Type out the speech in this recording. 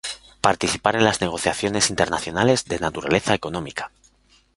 Participar en las negociaciones internacionales de naturaleza económica.